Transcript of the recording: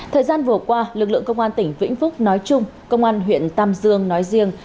thời gian vừa qua lực lượng công an tỉnh vĩnh phúc nói chung công an huyện tam dương nói riêng